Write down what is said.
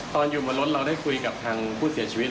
ตอนอยู่บนรถเราได้คุยกับทางผู้เสียชีวิต